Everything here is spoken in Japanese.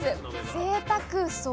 ぜいたく！